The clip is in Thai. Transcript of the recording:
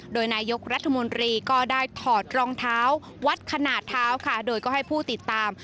โดยนายกรัฐมนตรีก็ได้ถอดรองเท้าวัดขนาดเท้าค่ะโดยก็ให้ผู้ติดตาม